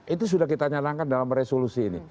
itu sudah kita nyanangkan dalam resolusi ini